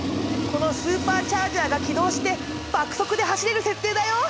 このスーパーチャージャーが起動して爆速で走れる設定だよ。